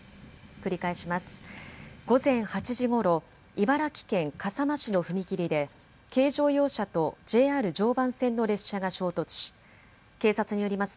繰り返します。